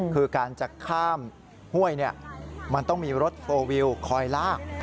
คือการจะข้ามห้วยมันต้องมีรถโฟลวิวคอยลาก